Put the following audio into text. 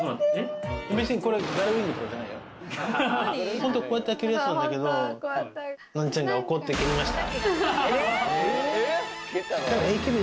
本当はこうやって開けるやつなんだけど、のんちゃんが怒って蹴りました。